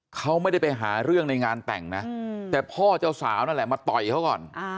เขาไม่ได้ไปหาเรื่องในงานแต่งนะแต่พ่อเจ้าสาวนั่นแหละมาต่อยเขาก่อน